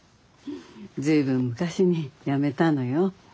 随分昔に辞めたのよ。